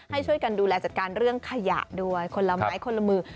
ให้ช่วยกันดูแลจัดการเรื่องขยะด้วยคนละไม้คนละมือ